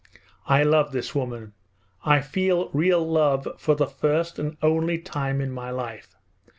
I love this woman; I feel real love for the first and only time in my life.